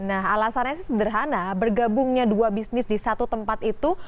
alasannya sederhana bergabungnya dua bisnis di satu tempat itu